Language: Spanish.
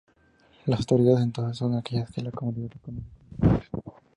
Las autoridades, entonces, son aquellas que la comunidad reconoce como tales.